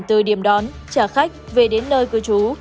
từ điểm đón trả khách về đến nơi cư trú